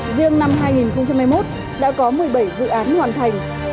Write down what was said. riêng năm hai nghìn hai mươi một đã có một mươi bảy dự án hoàn thành